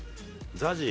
ＺＡＺＹ？